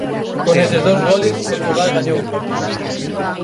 Con eses dous goles Portugal gañou o partido.